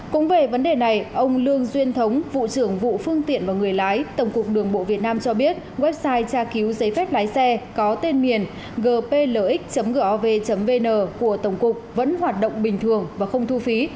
cũng về vấn đề này ông lương duyên thống vụ trưởng vụ phương tiện và người lái tổng cục đường bộ việt nam cho biết website tra cứu giấy phép lái xe có tên miền gplx gov vn của tổng cục vẫn hoạt động bình thường và không thu phí